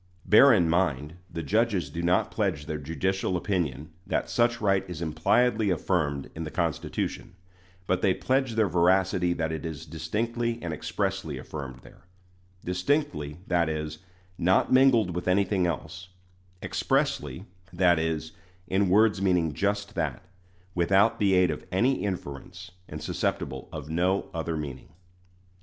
Bear in mind, the judges do not pledge their judicial opinion that such right is impliedly affirmed in the Constitution; but they pledge their veracity that it is "distinctly and expressly" affirmed there "distinctly," that is, not mingled with anything else "expressly," that is, in words meaning just that, without the aid of any inference, and susceptible of no other meaning.